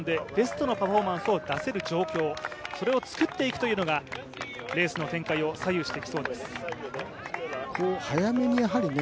ベストのパフォーマンスを出せる環境それを作っていくというのがレースの展開を左右してきそうです。